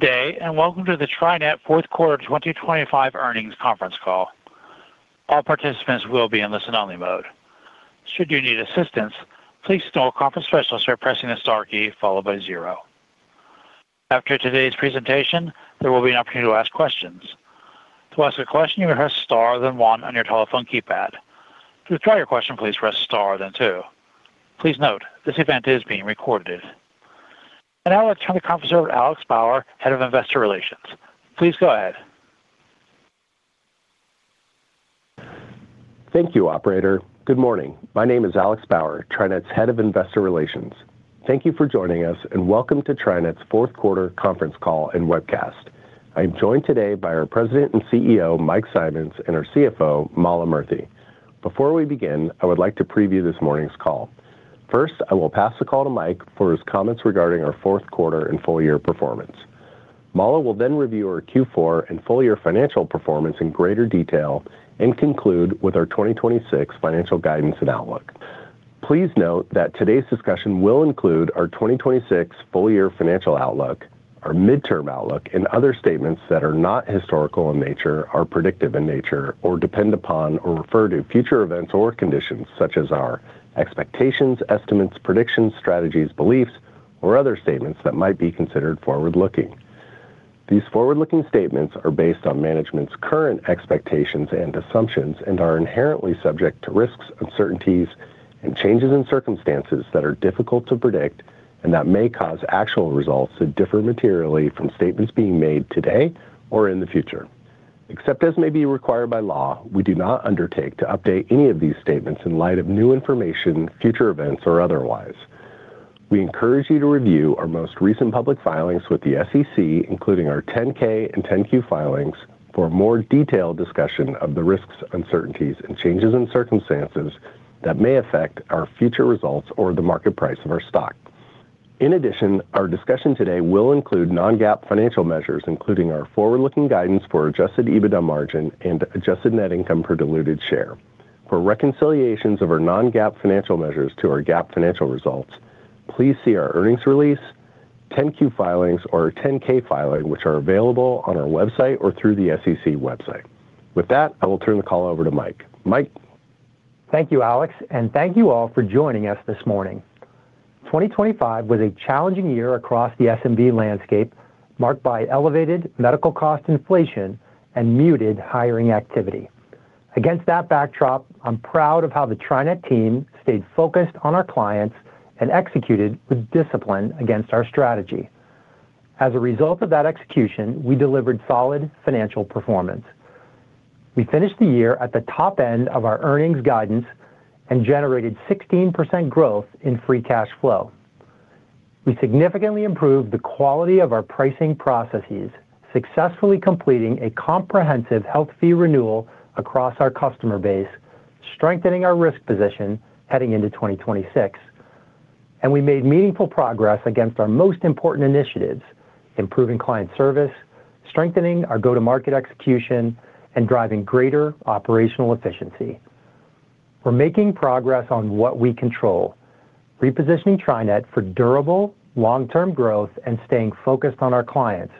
Good day, and welcome to the TriNet Fourth Quarter 2025 Earnings Conference Call. All participants will be in listen-only mode. Should you need assistance, please signal a conference specialist by pressing the star key followed by zero. After today's presentation, there will be an opportunity to ask questions. To ask a question, you may press star, then one on your telephone keypad. To withdraw your question, please press star, then two. Please note, this event is being recorded. And now let's turn the conference over to Alex Bauer, Head of Investor Relations. Please go ahead. Thank you, operator. Good morning. My name is Alex Bauer, TriNet's Head of Investor Relations. Thank you for joining us, and welcome to TriNet's fourth quarter conference call and webcast. I am joined today by our President and CEO, Mike Simonds, and our CFO, Mala Murthy. Before we begin, I would like to preview this morning's call. First, I will pass the call to Mike for his comments regarding our fourth quarter and full year performance. Mala will then review our Q4 and full year financial performance in greater detail and conclude with our 2026 financial guidance and outlook. Please note that today's discussion will include our 2026 full year financial outlook, our midterm outlook, and other statements that are not historical in nature, are predictive in nature, or depend upon or refer to future events or conditions, such as our expectations, estimates, predictions, strategies, beliefs, or other statements that might be considered forward-looking. These forward-looking statements are based on management's current expectations and assumptions and are inherently subject to risks, uncertainties, and changes in circumstances that are difficult to predict and that may cause actual results to differ materially from statements being made today or in the future. Except as may be required by law, we do not undertake to update any of these statements in light of new information, future events, or otherwise. We encourage you to review our most recent public filings with the SEC, including our 10-K and 10-Q filings, for a more detailed discussion of the risks, uncertainties, and changes in circumstances that may affect our future results or the market price of our stock. In addition, our discussion today will include non-GAAP financial measures, including our forward-looking guidance for adjusted EBITDA margin and adjusted net income per diluted share. For reconciliations of our non-GAAP financial measures to our GAAP financial results, please see our earnings release, 10-Q filings, or 10-K filing, which are available on our website or through the SEC website. With that, I will turn the call over to Mike. Mike? Thank you, Alex, and thank you all for joining us this morning. 2025 was a challenging year across the SMB landscape, marked by elevated medical cost inflation and muted hiring activity. Against that backdrop, I'm proud of how the TriNet team stayed focused on our clients and executed with discipline against our strategy. As a result of that execution, we delivered solid financial performance. We finished the year at the top end of our earnings guidance and generated 16% growth in free cash flow. We significantly improved the quality of our pricing processes, successfully completing a comprehensive health fee renewal across our customer base, strengthening our risk position heading into 2026, and we made meaningful progress against our most important initiatives: improving client service, strengthening our go-to-market execution, and driving greater operational efficiency. We're making progress on what we control, repositioning TriNet for durable, long-term growth and staying focused on our clients.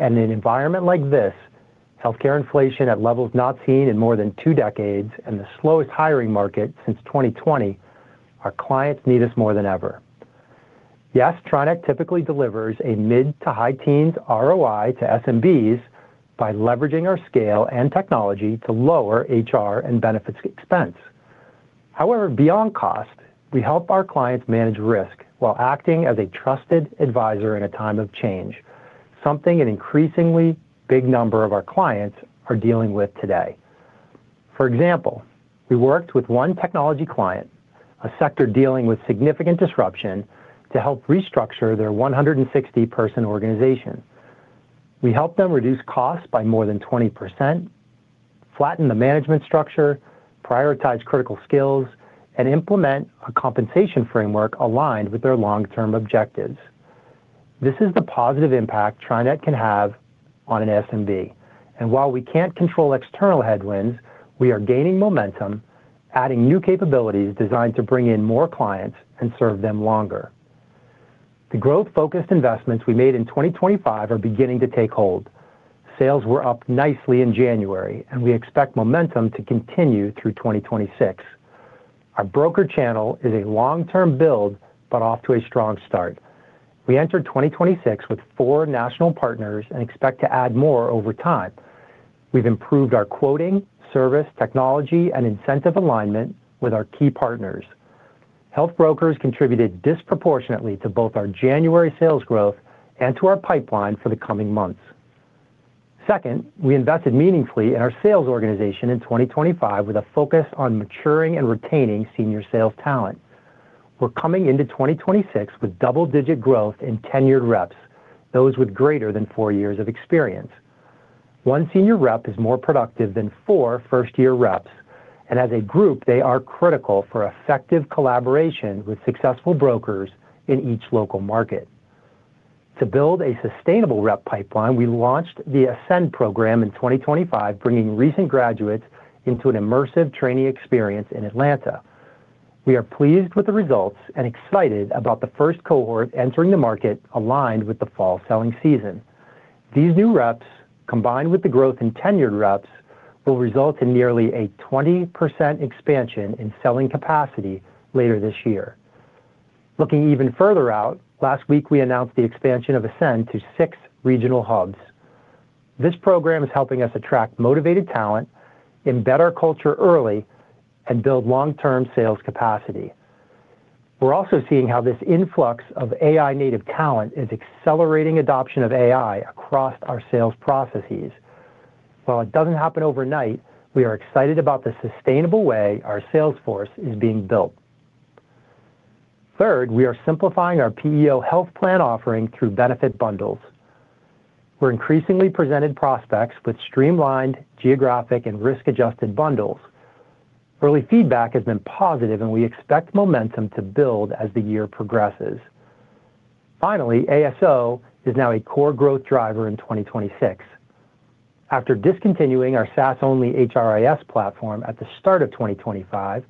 In an environment like this, healthcare inflation at levels not seen in more than two decades and the slowest hiring market since 2020, our clients need us more than ever. Yes, TriNet typically delivers a mid- to high-teens ROI to SMBs by leveraging our scale and Technology to lower HR and benefits expense. However, beyond cost, we help our clients manage risk while acting as a trusted advisor in a time of change, something an increasingly big number of our clients are dealing with today. For example, we worked with one Technology client, a sector dealing with significant disruption, to help restructure their 160-person organization. We helped them reduce costs by more than 20%, flatten the management structure, prioritize critical skills, and implement a compensation framework aligned with their long-term objectives. This is the positive impact TriNet can have on an SMB, and while we can't control external headwinds, we are gaining momentum, adding new capabilities designed to bring in more clients and serve them longer. The growth-focused investments we made in 2025 are beginning to take hold. Sales were up nicely in January, and we expect momentum to continue through 2026. Our broker channel is a long-term build, but off to a strong start. We entered 2026 with four national partners and expect to add more over time. We've improved our quoting, service, technology, and incentive alignment with our key partners. Health brokers contributed disproportionately to both our January sales growth and to our pipeline for the coming months. Second, we invested meaningfully in our sales organization in 2025, with a focus on maturing and retaining senior sales talent. We're coming into 2026 with double-digit growth in tenured reps, those with greater than four years of experience. One senior rep is more productive than four first-year reps, and as a group, they are critical for effective collaboration with successful brokers in each local market. To build a sustainable rep pipeline, we launched the Ascend program in 2025, bringing recent graduates into an immersive trainee experience in Atlanta. We are pleased with the results and excited about the first cohort entering the market aligned with the fall selling season. These new reps, combined with the growth in tenured reps, will result in nearly a 20% expansion in selling capacity later this year. Looking even further out, last week, we announced the expansion of Ascend to six regional hubs. This program is helping us attract motivated talent, embed our culture early, and build long-term sales capacity. We're also seeing how this influx of AI-native talent is accelerating adoption of AI across our sales processes. While it doesn't happen overnight, we are excited about the sustainable way our sales force is being built. Third, we are simplifying our PEO health plan offering through benefit bundles. We're increasingly presenting prospects with streamlined geographic and risk-adjusted bundles. Early feedback has been positive, and we expect momentum to build as the year progresses. Finally, ASO is now a core growth driver in 2026. After discontinuing our SaaS-only HRIS platform at the start of 2025,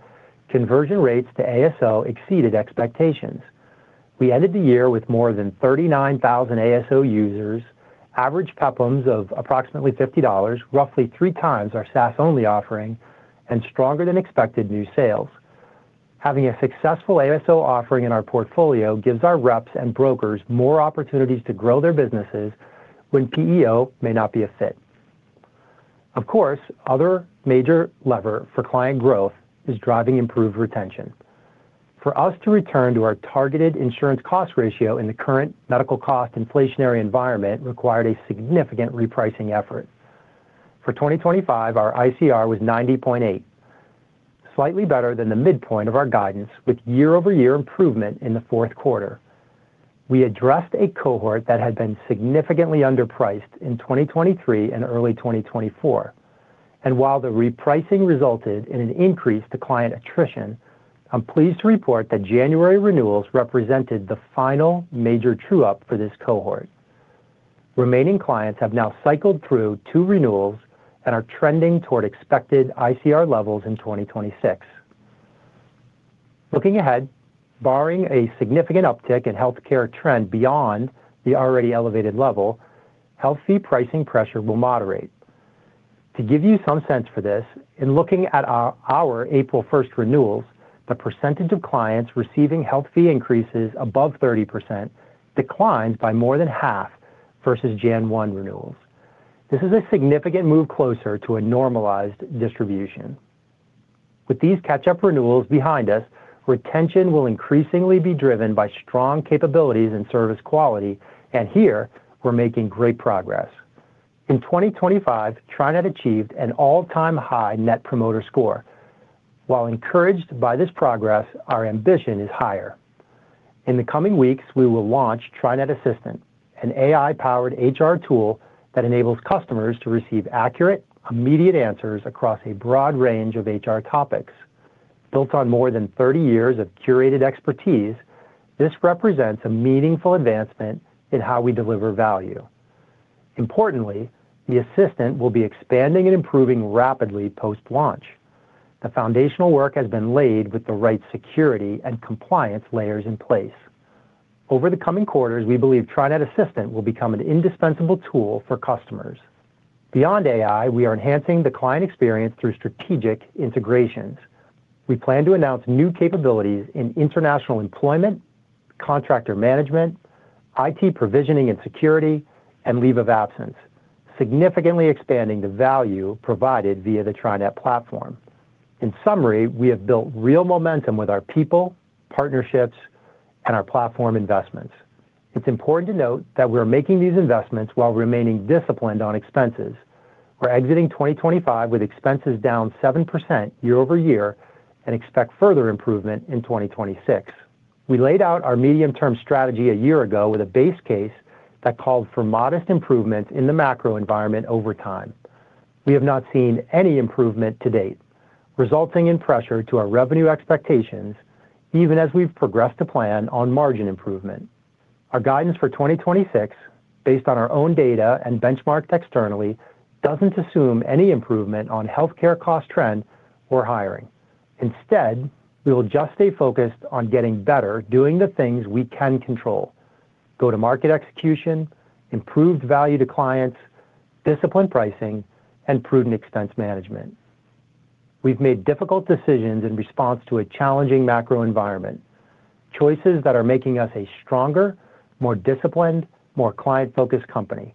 conversion rates to ASO exceeded expectations. We ended the year with more than 39,000 ASO users, average PEPPM of approximately $50, roughly 3 times our SaaS-only offering, and stronger than expected new sales. Having a successful ASO offering in our portfolio gives our reps and brokers more opportunities to grow their businesses when PEO may not be a fit. Of course, other major lever for client growth is driving improved retention. For us to return to our targeted insurance cost ratio in the current medical cost inflationary environment required a significant repricing effort. For 2025, our ICR was 90.8%, slightly better than the midpoint of our guidance, with year-over-year improvement in the fourth quarter. We addressed a cohort that had been significantly underpriced in 2023 and early 2024, and while the repricing resulted in an increase to client attrition, I'm pleased to report that January renewals represented the final major true-up for this cohort. Remaining clients have now cycled through two renewals and are trending toward expected ICR levels in 2026. Looking ahead, barring a significant uptick in healthcare trend beyond the already elevated level, health fee pricing pressure will moderate. To give you some sense for this, in looking at our April 1st renewals, the percentage of clients receiving health fee increases above 30% declined by more than half versus January 1 renewals. This is a significant move closer to a normalized distribution. With these catch-up renewals behind us, retention will increasingly be driven by strong capabilities and service quality, and here we're making great progress. In 2025, TriNet achieved an all-time high Net Promoter Score. While encouraged by this progress, our ambition is higher. In the coming weeks, we will launch TriNet Assistant, an AI-powered HR tool that enables customers to receive accurate, immediate answers across a broad range of HR topics. Built on more than 30 years of curated expertise, this represents a meaningful advancement in how we deliver value. Importantly, the assistant will be expanding and improving rapidly post-launch. The foundational work has been laid with the right security and compliance layers in place. Over the coming quarters, we believe TriNet Assistant will become an indispensable tool for customers. Beyond AI, we are enhancing the client experience through strategic integrations. We plan to announce new capabilities in international employment, contractor management, IT provisioning and security, and leave of absence, significantly expanding the value provided via the TriNet platform. In summary, we have built real momentum with our people, partnerships, and our platform investments. It's important to note that we are making these investments while remaining disciplined on expenses. We're exiting 2025 with expenses down 7% year over year and expect further improvement in 2026. We laid out our medium-term strategy a year ago with a base case that called for modest improvement in the macro environment over time. We have not seen any improvement to date, resulting in pressure to our revenue expectations, even as we've progressed to plan on margin improvement. Our guidance for 2026, based on our own data and benchmarked externally, doesn't assume any improvement on healthcare cost trends or hiring. Instead, we will just stay focused on getting better, doing the things we can control: go-to-market execution, improved value to clients, disciplined pricing, and prudent expense management. We've made difficult decisions in response to a challenging macro environment, choices that are making us a stronger, more disciplined, more client-focused company,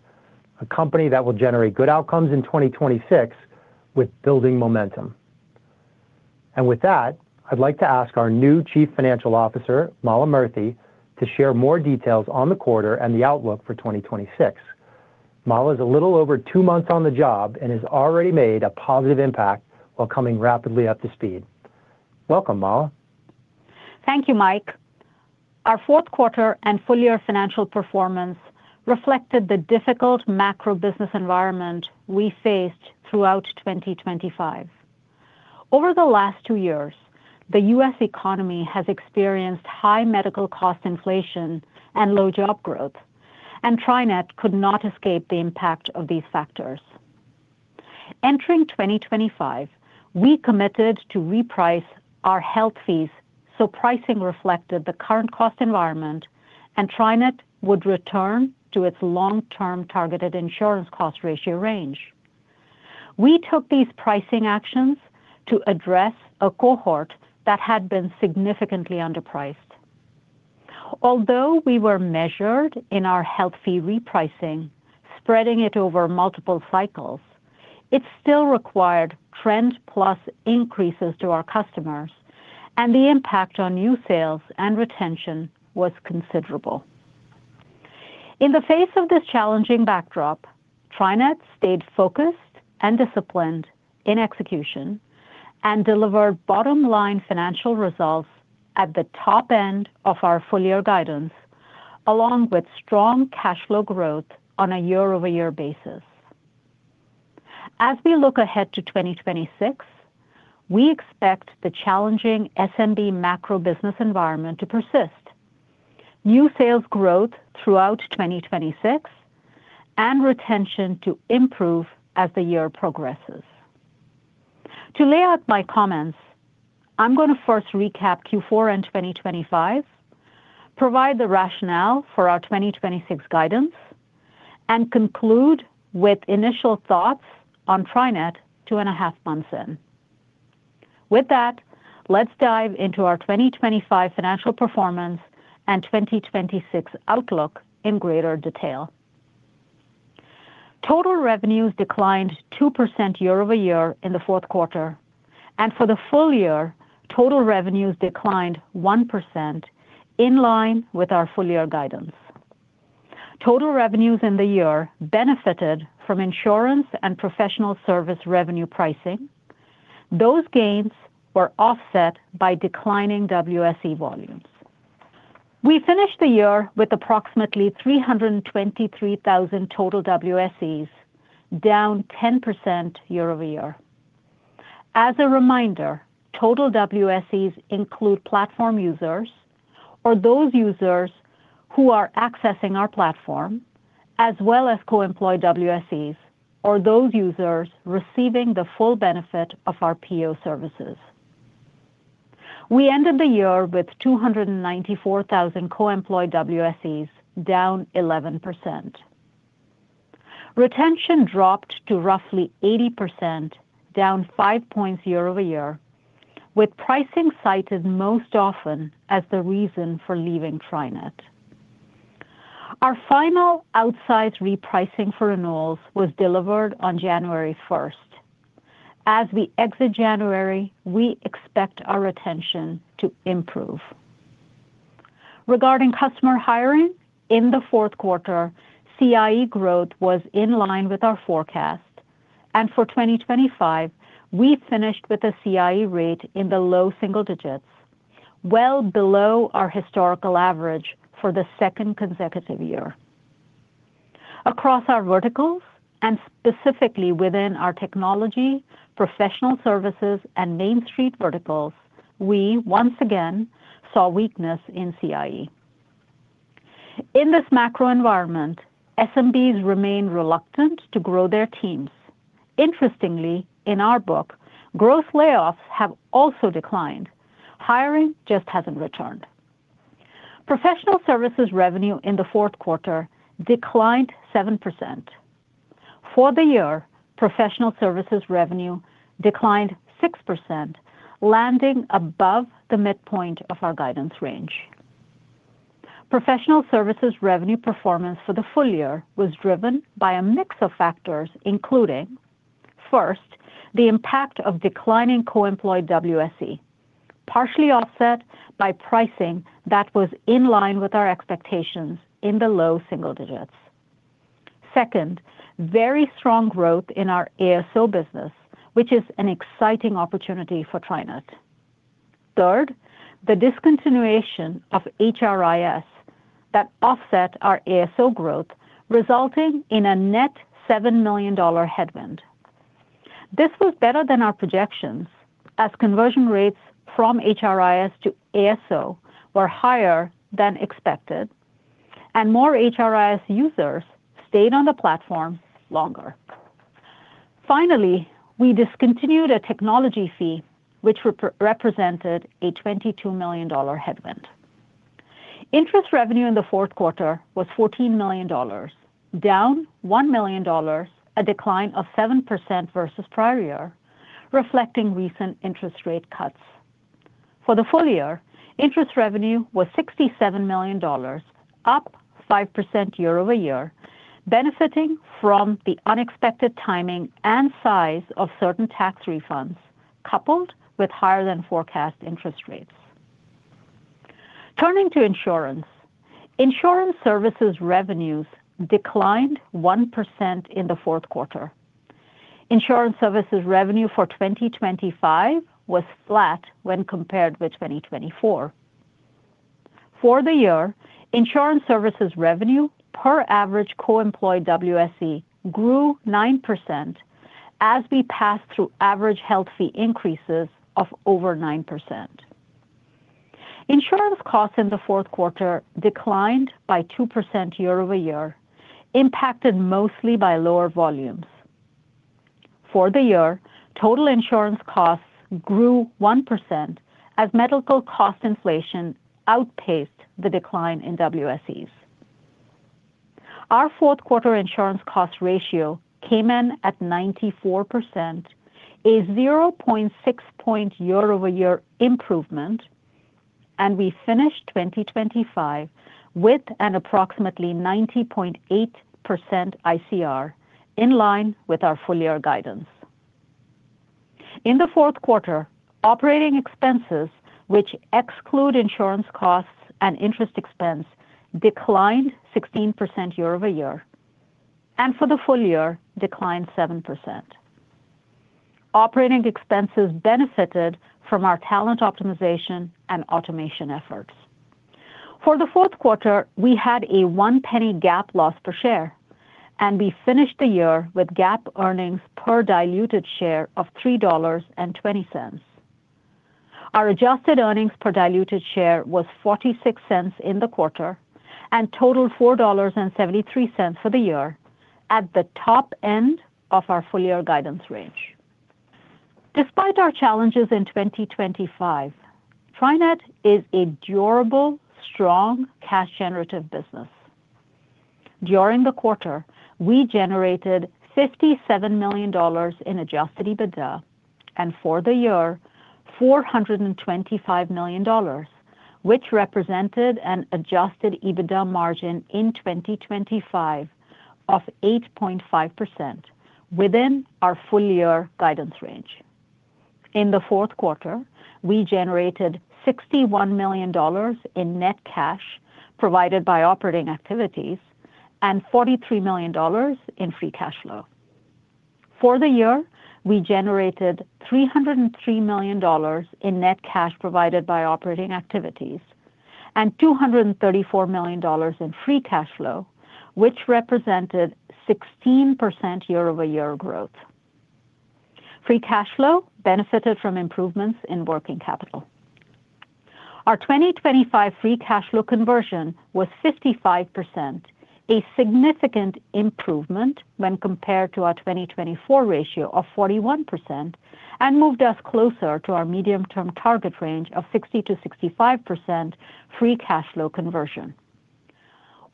a company that will generate good outcomes in 2026 with building momentum. And with that, I'd like to ask our new Chief Financial Officer, Mala Murthy, to share more details on the quarter and the outlook for 2026. Mala is a little over two months on the job and has already made a positive impact while coming rapidly up to speed. Welcome, Mala. Thank you, Mike. Our fourth quarter and full-year financial performance reflected the difficult macro business environment we faced throughout 2025. Over the last two years, the U.S. economy has experienced high medical cost inflation and low job growth, and TriNet could not escape the impact of these factors.... Entering 2025, we committed to reprice our health fees, so pricing reflected the current cost environment, and TriNet would return to its long-term targeted insurance cost ratio range. We took these pricing actions to address a cohort that had been significantly underpriced. Although we were measured in our health fee repricing, spreading it over multiple cycles, it still required trend plus increases to our customers, and the impact on new sales and retention was considerable. In the face of this challenging backdrop, TriNet stayed focused and disciplined in execution and delivered bottom-line financial results at the top end of our full-year guidance, along with strong cash flow growth on a year-over-year basis. As we look ahead to 2026, we expect the challenging SMB macro business environment to persist, new sales growth throughout 2026, and retention to improve as the year progresses. To lay out my comments, I'm going to first recap Q4 and 2025, provide the rationale for our 2026 guidance, and conclude with initial thoughts on TriNet 2.5 months in. With that, let's dive into our 2025 financial performance and 2026 outlook in greater detail. Total revenues declined 2% year over year in the fourth quarter, and for the full year, total revenues declined 1% in line with our full-year guidance. Total revenues in the year benefited from insurance and Professional Services revenue pricing. Those gains were offset by declining WSE volumes. We finished the year with approximately 323,000 total WSEs, down 10% year-over-year. As a reminder, total WSEs include platform users or those users who are accessing our platform, as well as co-employed WSEs or those users receiving the full benefit of our PEO services. We ended the year with 294,000 co-employed WSEs, down 11%. Retention dropped to roughly 80%, down five points year-over-year, with pricing cited most often as the reason for leaving TriNet. Our final outsized repricing for renewals was delivered on January first. As we exit January, we expect our retention to improve. Regarding customer hiring, in the fourth quarter, CIE growth was in line with our forecast, and for 2025, we finished with a CIE rate in the low single-digits, well below our historical average for the second consecutive year. Across our verticals and specifically within our technology, Professional Services, and Main Street verticals, we once again saw weakness in CIE. In this macro environment, SMBs remain reluctant to grow their teams. Interestingly, in our book, gross layoffs have also declined. Hiring just hasn't returned. Professional Services revenue in the fourth quarter declined 7%. For the year, Professional Services revenue declined 6%, landing above the midpoint of our guidance range. Professional Services revenue performance for the full year was driven by a mix of factors, including, first, the impact of declining co-employed WSE, partially offset by pricing that was in line with our expectations in the low single-digits. Second, very strong growth in our ASO business, which is an exciting opportunity for TriNet. Third, the discontinuation of HRIS that offset our ASO growth, resulting in a net $7 million headwind. This was better than our projections, as conversion rates from HRIS to ASO were higher than expected, and more HRIS users stayed on the platform longer. Finally, we discontinued a technology fee, which represented a $22 million headwind. Interest revenue in the fourth quarter was $14 million, down $1 million, a decline of 7% versus prior year, reflecting recent interest rate cuts. For the full year, interest revenue was $67 million, up 5% year-over-year, benefiting from the unexpected timing and size of certain tax refunds, coupled with higher than forecast interest rates. Turning to insurance. Insurance Services revenues declined 1% in the fourth quarter. Insurance Services revenue for 2025 was flat when compared with 2024. For the year, Insurance Services revenue per average co-employed WSE grew 9% as we passed through average health fee increases of over 9%. Insurance costs in the fourth quarter declined by 2% year-over-year, impacted mostly by lower volumes. For the year, total insurance costs grew 1% as medical cost inflation outpaced the decline in WSEs. Our fourth quarter insurance cost ratio came in at 94%, a 0.6-point year-over-year improvement, and we finished 2025 with an approximately 90.8% ICR, in line with our full year guidance. In the fourth quarter, operating expenses, which exclude insurance costs and interest expense, declined 16% year-over-year, and for the full year, declined 7%. Operating expenses benefited from our talent optimization and automation efforts. For the fourth quarter, we had a $0.01 GAAP loss per share, and we finished the year with GAAP earnings per diluted share of $3.20. Our adjusted earnings per diluted share was $0.46 in the quarter and totaled $4.73 for the year, at the top end of our full year guidance range. Despite our challenges in 2025, TriNet is a durable, strong, cash generative business. During the quarter, we generated $57 million in adjusted EBITDA, and for the year, $425 million, which represented an adjusted EBITDA margin in 2025 of 8.5% within our full year guidance range. In the fourth quarter, we generated $61 million in net cash provided by operating activities and $43 million in free cash flow. For the year, we generated $303 million in net cash provided by operating activities and $234 million in free cash flow, which represented 16% year-over-year growth. Free cash flow benefited from improvements in working capital. Our 2025 free cash flow conversion was 55%, a significant improvement when compared to our 2024 ratio of 41%, and moved us closer to our medium-term target range of 60%-65% free cash flow conversion.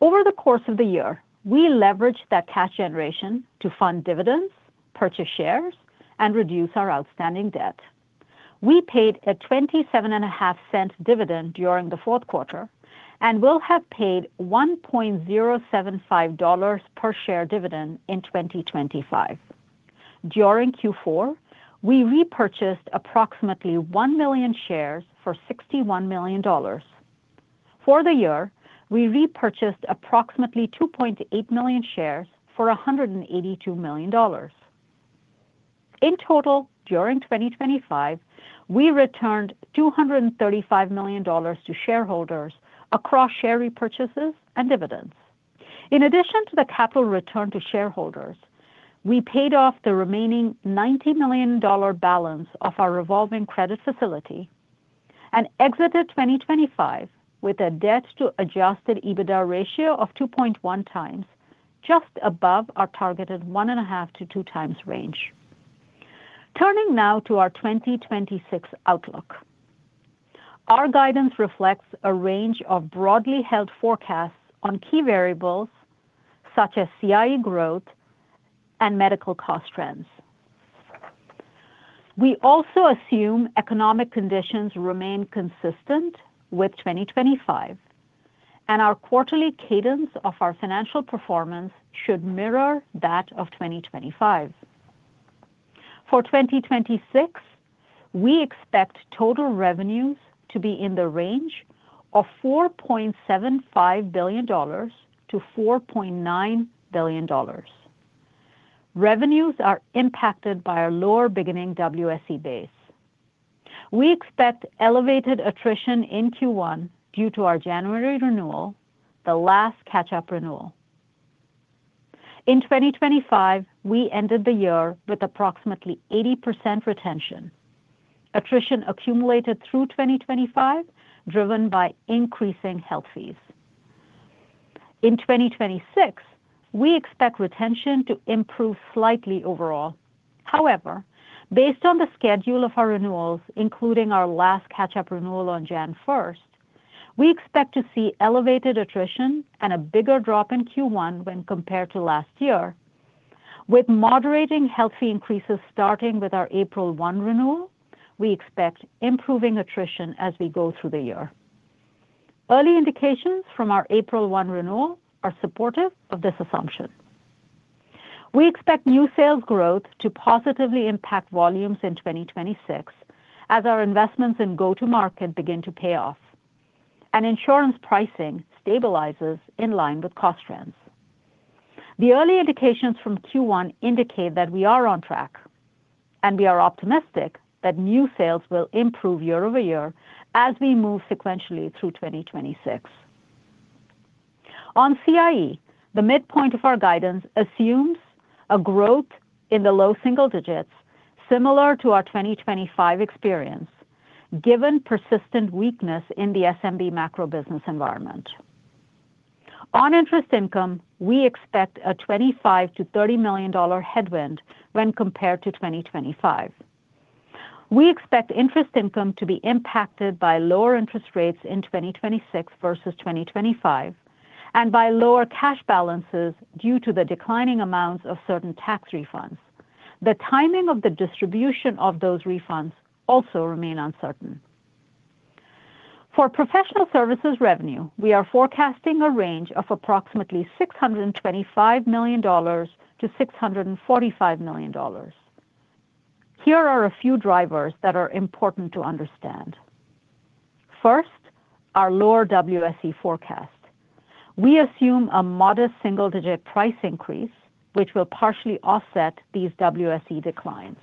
Over the course of the year, we leveraged that cash generation to fund dividends, purchase shares, and reduce our outstanding debt. We paid a $0.275 dividend during the fourth quarter and will have paid $1.075 per share dividend in 2025. During Q4, we repurchased approximately 1 million shares for $61 million. For the year, we repurchased approximately 2.8 million shares for $182 million. In total, during 2025, we returned $235 million to shareholders across share repurchases and dividends. In addition to the capital return to shareholders, we paid off the remaining $90 million balance of our revolving credit facility and exited 2025 with a debt to adjusted EBITDA ratio of 2.1 times, just above our targeted 1.5-2 times range. Turning now to our 2026 outlook. Our guidance reflects a range of broadly held forecasts on key variables such as CIE growth and medical cost trends. We also assume economic conditions remain consistent with 2025, and our quarterly cadence of our financial performance should mirror that of 2025. For 2026, we expect total revenues to be in the range of $4.75 billion-$4.9 billion. Revenues are impacted by our lower beginning WSE base. We expect elevated attrition in Q1 due to our January renewal, the last catch-up renewal. In 2025, we ended the year with approximately 80% retention. Attrition accumulated through 2025, driven by increasing health fees. In 2026, we expect retention to improve slightly overall. However, based on the schedule of our renewals, including our last catch-up renewal on January 1, we expect to see elevated attrition and a bigger drop in Q1 when compared to last year. With moderating health fee increases starting with our April one renewal, we expect improving attrition as we go through the year. Early indications from our April 1 renewal are supportive of this assumption. We expect new sales growth to positively impact volumes in 2026 as our investments in go-to-market begin to pay off, and insurance pricing stabilizes in line with cost trends. The early indications from Q1 indicate that we are on track, and we are optimistic that new sales will improve year-over-year as we move sequentially through 2026.... On CIE, the midpoint of our guidance assumes a growth in the low single-digits, similar to our 2025 experience, given persistent weakness in the SMB macro business environment. On interest income, we expect a $25-$30 million headwind when compared to 2025. We expect interest income to be impacted by lower interest rates in 2026 versus 2025, and by lower cash balances due to the declining amounts of certain tax refunds. The timing of the distribution of those refunds also remain uncertain. For Professional Services revenue, we are forecasting a range of approximately $625 million-$645 million. Here are a few drivers that are important to understand. First, our lower WSE forecast. We assume a modest single-digit price increase, which will partially offset these WSE declines.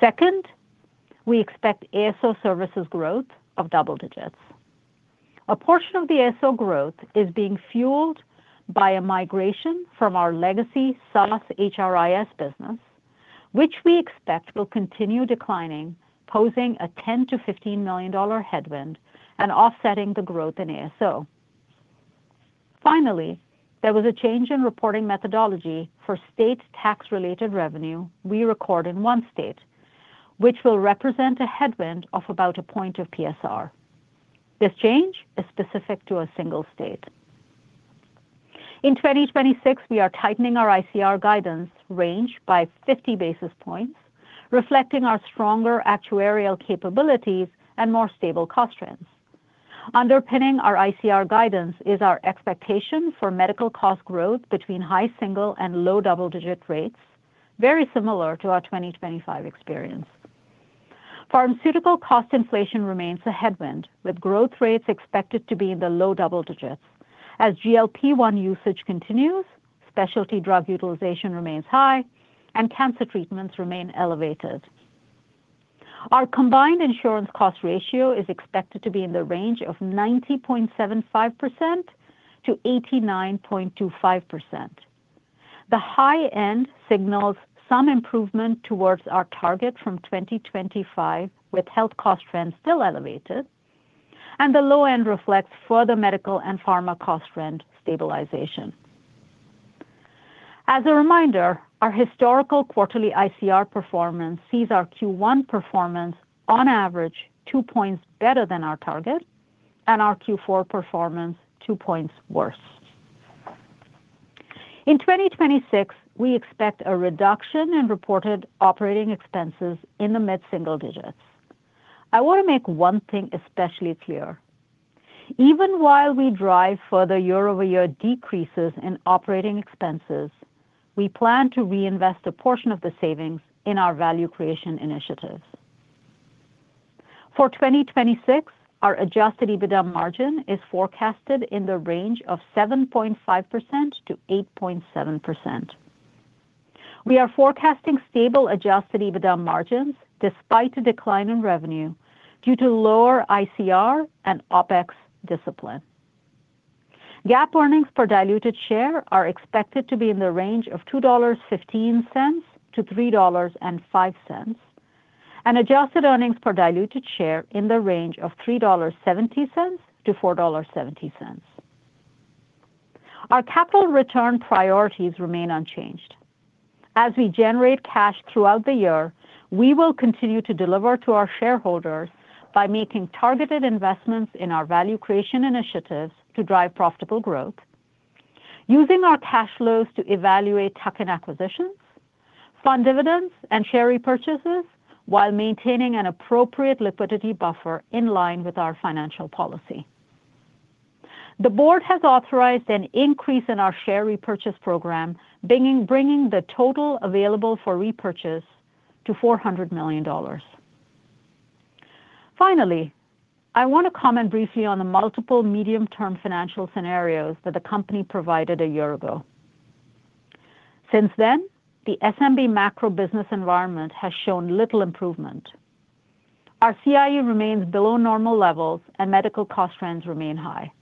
Second, we expect ASO services growth of double digits. A portion of the ASO growth is being fueled by a migration from our legacy SaaS HRIS business, which we expect will continue declining, posing a $10 million-$15 million headwind and offsetting the growth in ASO. Finally, there was a change in reporting methodology for state tax-related revenue we record in one state, which will represent a headwind of about a point of PSR. This change is specific to a single state. In 2026, we are tightening our ICR guidance range by 50 basis points, reflecting our stronger actuarial capabilities and more stable cost trends. Underpinning our ICR guidance is our expectation for medical cost growth between high single and low double-digit rates, very similar to our 2025 experience. Pharmaceutical cost inflation remains a headwind, with growth rates expected to be in the low double digits as GLP-1 usage continues, specialty drug utilization remains high, and cancer treatments remain elevated. Our combined insurance cost ratio is expected to be in the range of 90.75%-89.25%. The high end signals some improvement towards our target from 2025, with health cost trends still elevated, and the low end reflects further medical and pharma cost trend stabilization. As a reminder, our historical quarterly ICR performance sees our Q1 performance on average two points better than our target and our Q4 performance two points worse. In 2026, we expect a reduction in reported operating expenses in the mid single-digits. I want to make one thing especially clear. Even while we drive further year-over-year decreases in operating expenses, we plan to reinvest a portion of the savings in our value creation initiatives. For 2026, our adjusted EBITDA margin is forecasted in the range of 7.5%-8.7%. We are forecasting stable adjusted EBITDA margins despite a decline in revenue due to lower ICR and OpEx discipline. GAAP earnings per diluted share are expected to be in the range of $2.15-$3.05, and adjusted earnings per diluted share in the range of $3.70-$4.70. Our capital return priorities remain unchanged. As we generate cash throughout the year, we will continue to deliver to our shareholders by making targeted investments in our value creation initiatives to drive profitable growth, using our cash flows to evaluate tuck-in acquisitions, fund dividends, and share repurchases while maintaining an appropriate liquidity buffer in line with our financial policy. The board has authorized an increase in our share repurchase program, bringing the total available for repurchase to $400 million. Finally, I want to comment briefly on the multiple medium-term financial scenarios that the company provided a year ago. Since then, the SMB macro business environment has shown little improvement. Our CIE remains below normal levels, and medical cost trends remain high.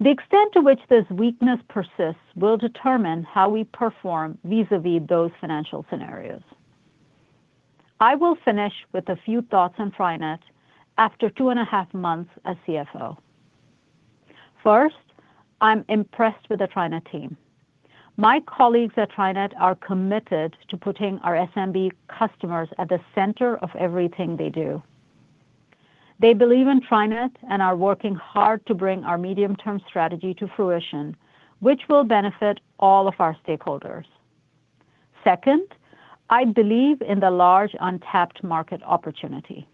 The extent to which this weakness persists will determine how we perform vis-a-vis those financial scenarios. I will finish with a few thoughts on TriNet after two and a half months as CFO. First, I'm impressed with the TriNet team. My colleagues at TriNet are committed to putting our SMB customers at the center of everything they do. They believe in TriNet and are working hard to bring our medium-term strategy to fruition, which will benefit all of our stakeholders. Second, I believe in the large untapped market opportunity.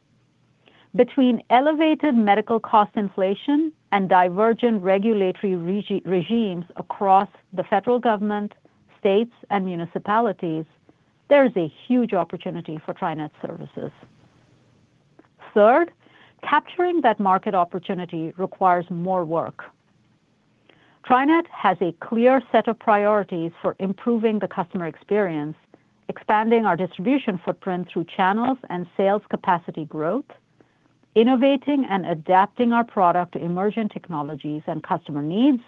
Between elevated medical cost inflation and divergent regulatory regimes across the federal government, states, and municipalities, there is a huge opportunity for TriNet services. Third, capturing that market opportunity requires more work. TriNet has a clear set of priorities for improving the customer experience, expanding our distribution footprint through channels and sales capacity growth, innovating and adapting our product to emerging technologies and customer needs,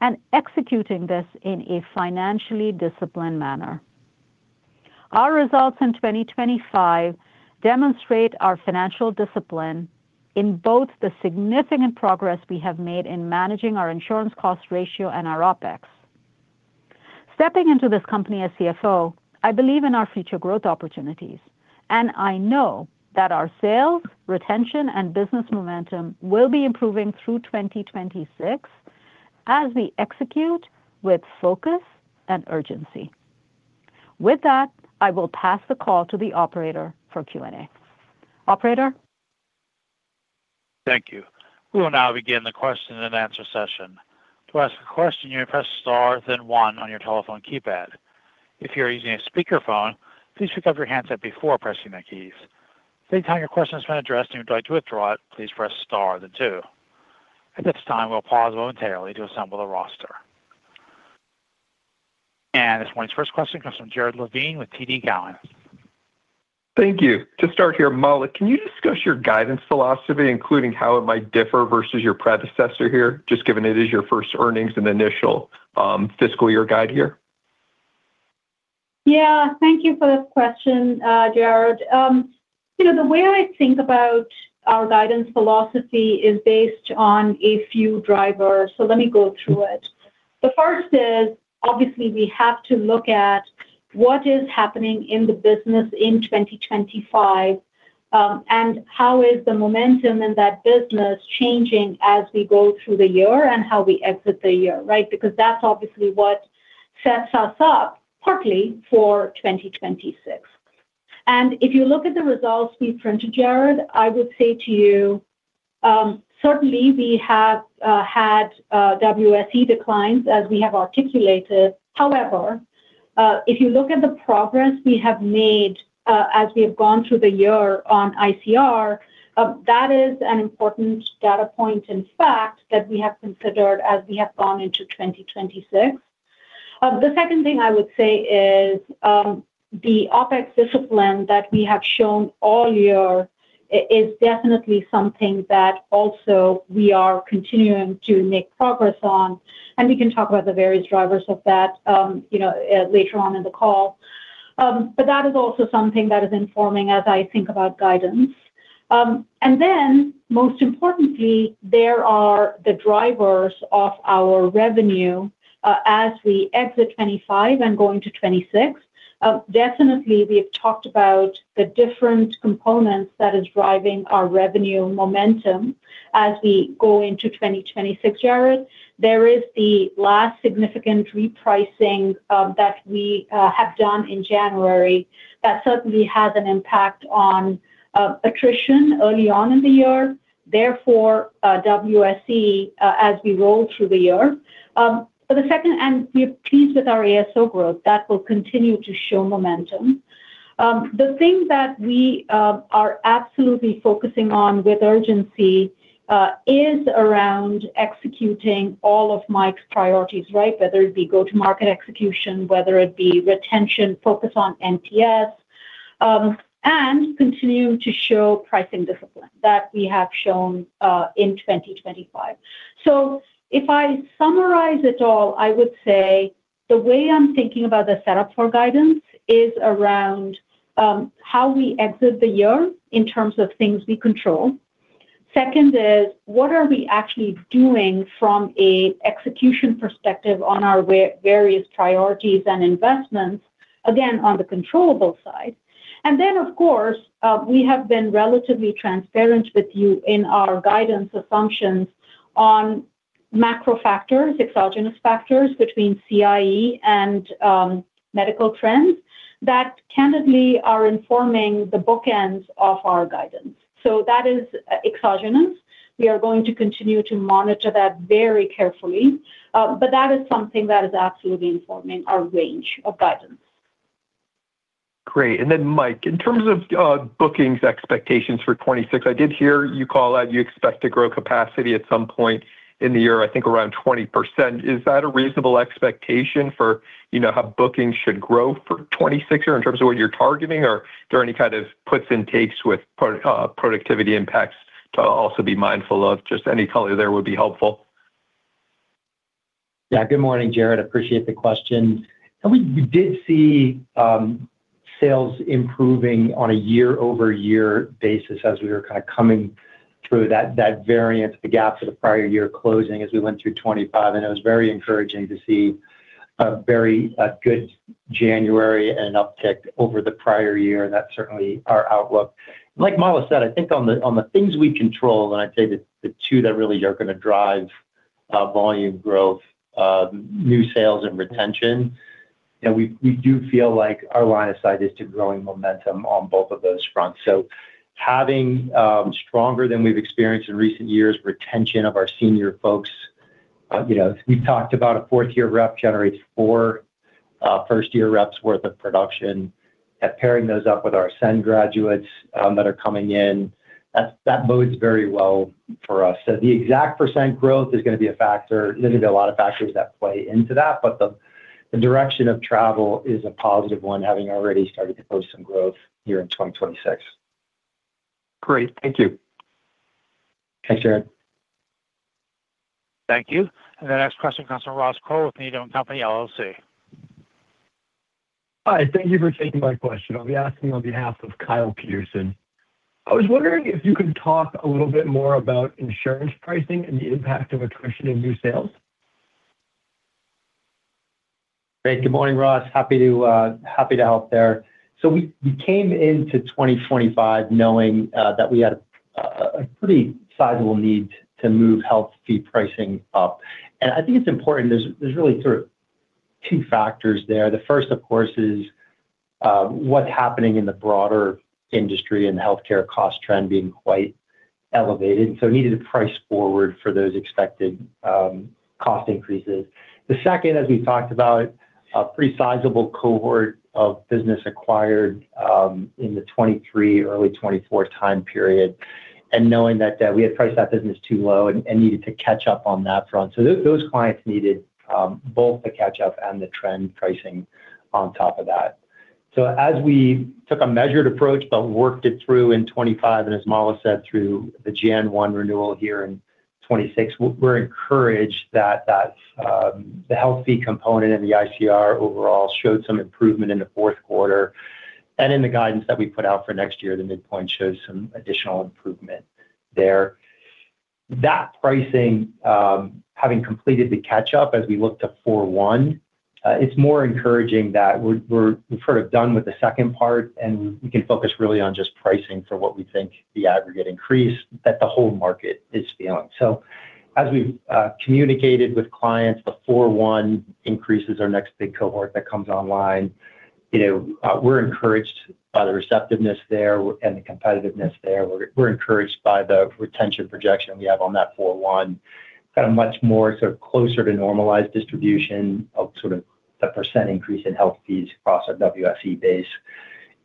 and executing this in a financially disciplined manner. Our results in 2025 demonstrate our financial discipline in both the significant progress we have made in managing our insurance cost ratio and our OpEx. Stepping into this company as CFO, I believe in our future growth opportunities, and I know that our sales, retention, and business momentum will be improving through 2026 as we execute with focus and urgency. With that, I will pass the call to the operator for Q&A. Operator? Thank you. We will now begin the question-and-answer session. To ask a question, you may press star, then one on your telephone keypad. If you're using a speakerphone, please pick up your handset before pressing the keys. Any time your question has been addressed, and you'd like to withdraw it, please press star then two. At this time, we'll pause momentarily to assemble the roster. This morning's first question comes from Jared Levine with TD Cowen. Thank you. To start here, Mala, can you discuss your guidance philosophy, including how it might differ versus your predecessor here, just given it is your first earnings and initial, fiscal year guide here? Yeah, thank you for the question, Jared. You know, the way I think about our guidance philosophy is based on a few drivers, so let me go through it. The first is, obviously, we have to look at what is happening in the business in 2025, and how is the momentum in that business changing as we go through the year and how we exit the year, right? Because that's obviously what sets us up partly for 2026. And if you look at the results we've printed, Jared, I would say to you, certainly we have had WSE declines, as we have articulated. However, if you look at the progress we have made, as we have gone through the year on ICR, that is an important data point, in fact, that we have considered as we have gone into 2026. The second thing I would say is, the OpEx discipline that we have shown all year is definitely something that also we are continuing to make progress on, and we can talk about the various drivers of that, you know, later on in the call. But that is also something that is informing as I think about guidance. And then, most importantly, there are the drivers of our revenue, as we exit 2025 and go into 2026. Definitely, we have talked about the different components that is driving our revenue momentum as we go into 2026, Jared. There is the last significant repricing, that we have done in January that certainly has an impact on, attrition early on in the year, therefore, WSE, as we roll through the year. For the second, and we're pleased with our ASO growth, that will continue to show momentum. The thing that we are absolutely focusing on with urgency, is around executing all of Mike's priorities, right? Whether it be go-to-market execution, whether it be retention, focus on NPS, and continue to show pricing discipline that we have shown, in 2025. So if I summarize it all, I would say the way I'm thinking about the setup for guidance is around, how we exit the year in terms of things we control. Second is, what are we actually doing from a execution perspective on our various priorities and investments, again, on the controllable side? And then, of course, we have been relatively transparent with you in our guidance assumptions on macro factors, exogenous factors between CIE and medical trends that candidly are informing the bookends of our guidance. So that is exogenous. We are going to continue to monitor that very carefully, but that is something that is absolutely informing our range of guidance. Great. And then, Mike, in terms of bookings expectations for 2026, I did hear you call out you expect to grow capacity at some point in the year, I think, around 20%. Is that a reasonable expectation for, you know, how bookings should grow for 2026, or in terms of what you're targeting? Or are there any kind of puts and takes with productivity impacts to also be mindful of? Just any color there would be helpful. Yeah. Good morning, Jared. Appreciate the question. And we did see sales improving on a year-over-year basis as we were kind of coming through that variance, the gap for the prior year closing as we went through 25, and it was very encouraging to see a good January and an uptick over the prior year. That's certainly our outlook. Like Mala said, I think on the things we control, and I'd say the two that really are going to drive volume growth, new sales and retention, you know, we do feel like our line of sight is to growing momentum on both of those fronts. So having stronger than we've experienced in recent years, retention of our senior folks, you know, we've talked about a fourth-year rep generates four-... First-year reps worth of production, and pairing those up with our Ascend graduates that are coming in, that bodes very well for us. So the exact percent growth is going to be a factor. There's going to be a lot of factors that play into that, but the direction of travel is a positive one, having already started to post some growth here in 2026. Great. Thank you. Thanks, Jared. Thank you. The next question comes from Ross Cole with Needham & Company, LLC. Hi, thank you for taking my question. I'll be asking on behalf of Kyle Peterson. I was wondering if you could talk a little bit more about insurance pricing and the impact of attrition in new sales. Great. Good morning, Ross. Happy to, happy to help there. So we, we came into 2025 knowing, that we had a, a pretty sizable need to move health fee pricing up. And I think it's important, there's, there's really sort of two factors there. The first, of course, is, what's happening in the broader industry and the healthcare cost trend being quite elevated, so we needed to price forward for those expected, cost increases. The second, as we talked about, a pretty sizable cohort of business acquired, in the 2023, early 2024 time period, and knowing that, that we had priced that business too low and, and needed to catch up on that front. So those clients needed, both the catch-up and the trend pricing on top of that. So as we took a measured approach, but worked it through in 2025, and as Mala said, through the January 1 renewal here in 2026, we're encouraged that the health fee component and the ICR overall showed some improvement in the fourth quarter. And in the guidance that we put out for next year, the midpoint showed some additional improvement there. That pricing, having completed the catch-up as we look to 4/1, it's more encouraging that we're sort of done with the second part, and we can focus really on just pricing for what we think the aggregate increase that the whole market is feeling. So as we've communicated with clients, the 4/1 increases our next big cohort that comes online. You know, we're encouraged by the receptiveness there and the competitiveness there. We're encouraged by the retention projection we have on that Q1. Got a much more sort of closer to normalized distribution of sort of the percent increase in health fees across our WSE base.